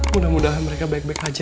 mudah mudahan mereka baik baik saja